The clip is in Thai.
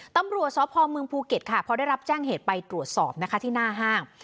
ตำรวจสพเมืองภูเก็ตค่ะพอได้รับแจ้งเหตุไปตรวจสอบนะคะที่หน้าห้าง